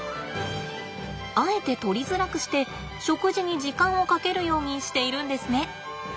あえて取りづらくして食事に時間をかけるようにしているんですね。